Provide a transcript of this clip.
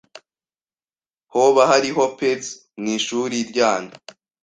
Hoba hariho Percy mw'ishure ryanyu?